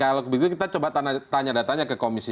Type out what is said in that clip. kalau begitu kita coba tanya tanya ke komisi satu